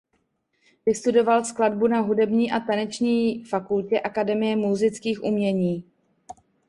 Vystudoval skladbu na Hudební a taneční fakultě Akademie múzických umění.